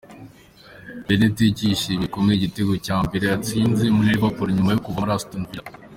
Beniteki yishimiye bikomeye igitego cya mbereatsinze muri Liverpool nyuma yo kuva muri Aston Villa.